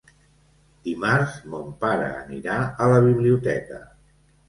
Dimarts mon pare anirà a la biblioteca.